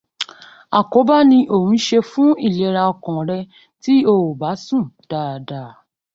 Àkóbá ni ò ń ṣe fún ìlera ọkàn rẹ tí ó bá sùn dada.